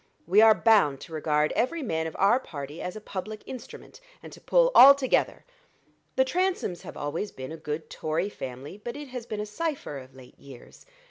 We are bound to regard every man of our party as a public instrument, and to pull all together. The Transomes have always been a good Tory family, but it has been a cipher of late years.